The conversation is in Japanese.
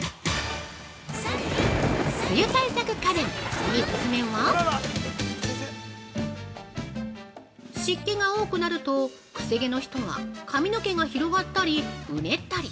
梅雨対策家電、３つ目は湿気が多くなると、癖毛の人は髪の毛が広がったりうねったり。